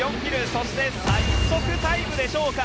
そして最速タイムでしょうか。